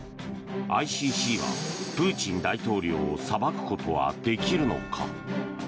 ＩＣＣはプーチン大統領を裁くことはできるのか。